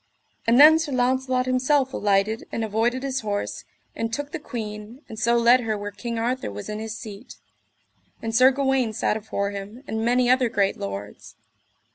And then Sir Launcelot himself alighted and avoided his horse, and took the queen, and so led her where King Arthur was in his seat: and Sir Gawaine sat afore him, and many other great lords.